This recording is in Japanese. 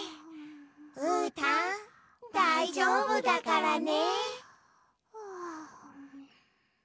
うーたんだいじょうぶだからね。